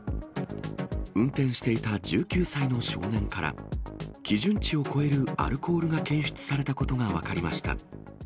運転していた１９歳の少年から、基準値を超えるアルコールが検出されたことが分かりました。